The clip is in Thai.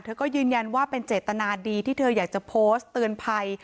เธอก็ยืนยันว่าเป็นเจตนาดีที่เธออยากจะโพสต์เตือนภัย